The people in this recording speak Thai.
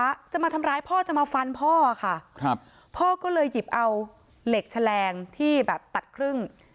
จะมาทำร้ายพ่อจะมาฟันพ่อค่ะครับพ่อก็เลยหยิบเอาเหล็กแฉลงที่แบบตัดครึ่ง